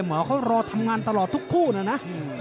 หมอเขารอทำงานตลอดทุกคู่นะนะ